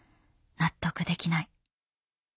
納得できない。